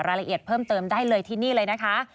รายละเอียดเพิ่มเติมได้เลยที่นี่เลยนะคะ